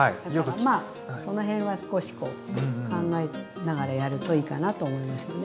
まあその辺は少しこう考えながらやるといいかなと思いますね。